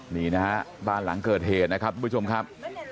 นี่นะฮะบ้านหลังเกิดเหตุนะครับทุกผู้ชมครับ